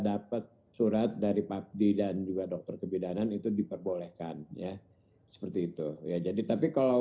dapat surat dari pakdi dan juga dokter kebidanan itu diperbolehkan ya seperti itu ya jadi tapi kalau